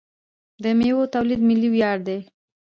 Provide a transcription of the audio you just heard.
د میوو تولید ملي ویاړ دی.